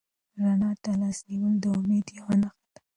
رڼا ته لاس نیول د امید یوه نښه ده.